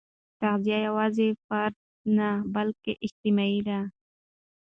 تغذیه یوازې فردي نه، بلکې اجتماعي ده.